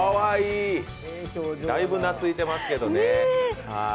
だいぶなついてますけどね。